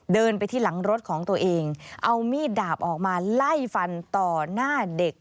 เดินไปที่หลังรถของตัวเองเอามีดดาบออกมาไล่ฟันต่อหน้าเด็ก